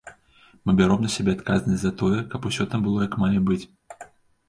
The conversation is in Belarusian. Мы бяром на сябе адказнасць за тое, каб усё там было як мае быць.